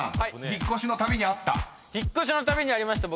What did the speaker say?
引っ越しのたびにありました。